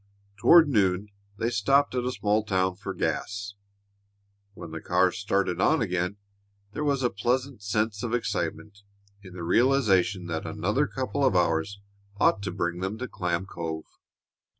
Toward noon they stopped at a small town for "gas." When the car started on again, there was a pleasant sense of excitement in the realization that another couple of hours ought to bring them to Clam Cove.